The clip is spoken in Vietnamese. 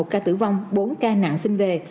một ca tử vong bốn ca nặng sinh về